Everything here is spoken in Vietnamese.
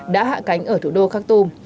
đã hạ cánh ở sudan